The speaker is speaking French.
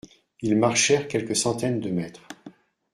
Ils marchèrent quelques centaines de mètres